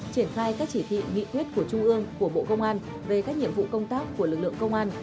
triển khai các chỉ thị nghị quyết của trung ương của bộ công an về các nhiệm vụ công tác của lực lượng công an